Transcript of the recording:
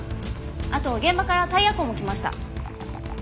あと現場からタイヤ痕も来ました。